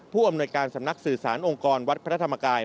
อำนวยการสำนักสื่อสารองค์กรวัดพระธรรมกาย